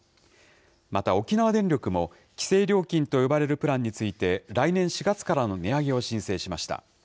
また沖縄電力も、規制料金と呼ばれるプランについて、来年４月からの値上げを申請しました。